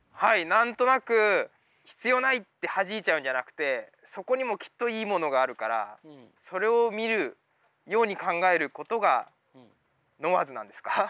何となく必要ないってはじいちゃうんじゃなくてそこにもきっといいものがあるからそれを見るように考えることがノワーズなんですか？